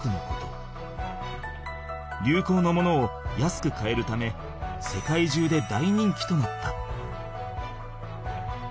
流行のものを安く買えるため世界中で大人気となった。